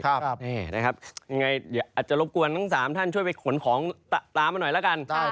อันไงอาจจะรบกวนทั้ง๓ท่านช่วยไปขนของตามมาหน่อยละกัน